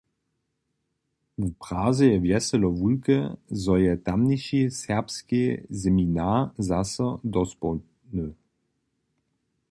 W Praze je wjeselo wulke, zo je tamniši Serbski seminar zaso dospołny.